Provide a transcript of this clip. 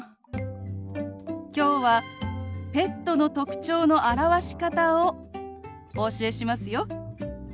きょうはペットの特徴の表し方をお教えしますよ。